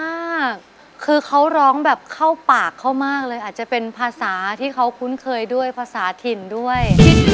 มากคือเขาร้องแบบเข้าปากเขามากเลยอาจจะเป็นภาษาที่เขาคุ้นเคยด้วยภาษาถิ่นด้วย